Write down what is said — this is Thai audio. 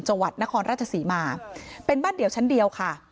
จังหวัดนครราชศรีมาเป็นบ้านเดี่ยวชั้นเดียวค่ะ